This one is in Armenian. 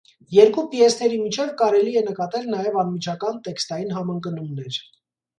Երկու պիեսների միջև կարելի է նկատել նաև անմիջական տեքստային համընկնումներ։